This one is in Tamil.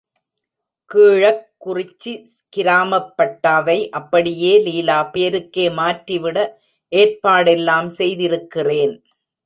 கீழக் குறிச்சி கிராமப் பட்டாவை அப்படியே லீலா பேருக்கே மாற்றிவிட ஏற்பாடெல்லாம் செய்திருக்கிறேன்.